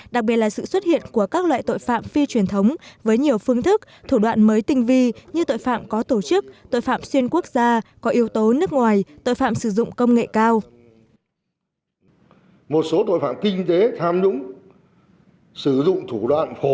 đặc biệt là sự xuất hiện của các loại tội phạm phi truyền thống với nhiều phương thức thủ đoạn mới tinh vi như tội phạm có tổ chức tội phạm xuyên quốc gia có yếu tố nước ngoài tội phạm sử dụng công nghệ cao